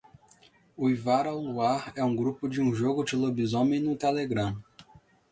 Uivar ao Luar é um grupo de um jogo de lobisomem no Telegram